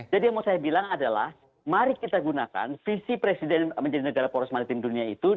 yang mau saya bilang adalah mari kita gunakan visi presiden menjadi negara poros maritim dunia itu